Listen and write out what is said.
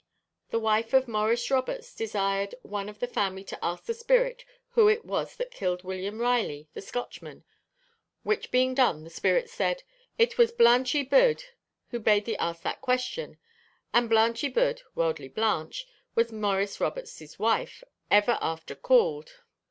The wife of Morris Roberts desired one of the family to ask the spirit who it was that killed William Reilly the Scotchman; which being done, the spirit said, 'It was Blanch y Byd who bade thee ask that question;' and Blanch y Byd (Worldly Blanche) was Morris Roberts' wife ever after called.